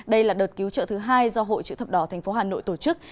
đây là đợt cứu trợ thứ hai do hội chữ thập đỏ tp hà nội tổ chức